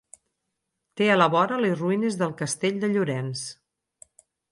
Té a la vora les ruïnes del castell de Llorenç.